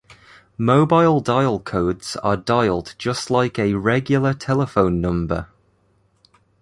Mobile dial codes are dialed just like a regular telephone number.